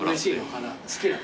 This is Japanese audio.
花好きなの？